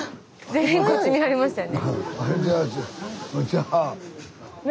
全員こっち見はりましたよね。